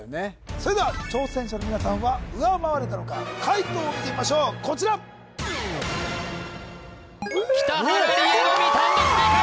それでは挑戦者の皆さんは上回れたのか解答を見てみましょうこちら北原里英のみ単独正解！